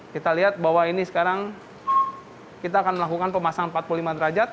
kita lihat bahwa ini sekarang kita akan melakukan pemasangan empat puluh lima derajat